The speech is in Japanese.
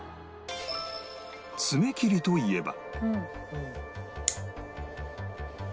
爪切りといえば